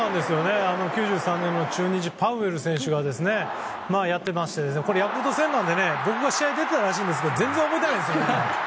９３年の中日パウエル選手がやってましてヤクルト戦なので、僕が試合に出ていたらしいんですけど全然覚えていないんですよね。